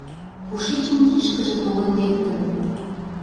Кушечын кишкыже толын лектын?